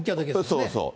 そうそう。